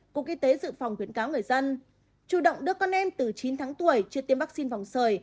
cục y tế dự phòng khuyến cáo người dân chủ động đưa con em từ chín tháng tuổi chưa tiêm vaccine phòng sởi